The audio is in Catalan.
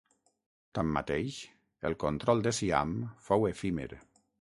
Tanmateix, el control de Siam fou efímer.